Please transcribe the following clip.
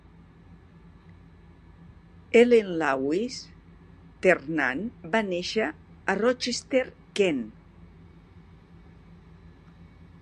Ellen Lawless Ternan va néixer a Rochester, Kent.